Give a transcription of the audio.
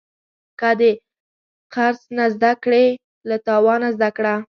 که د خرڅ نه زده کړې، له تاوانه زده کړه.